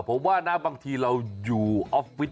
ผมว่านะบางทีเราอยู่ออฟฟิศ